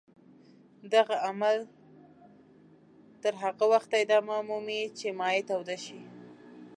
دغه عمل تر هغه وخته ادامه مومي چې مایع توده شي.